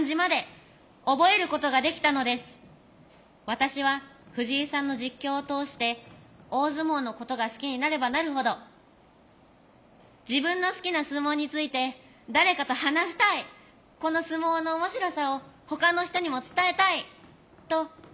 私は藤井さんの実況を通して大相撲のことが好きになればなるほど「自分の好きな相撲について誰かと話したいこの相撲の面白さをほかの人にも伝えたい」と思うようになりました。